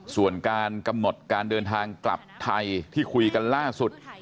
ส่วนการกำหนดการเดินทางกลับไทยที่คุยกันล่าสุด